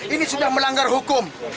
ini sudah melanggar hukum